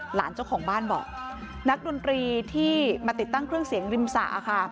หลานเจ้าของบ้านบอกนักดนตรีที่มาติดตั้งเครื่องเสียงริมสระค่ะ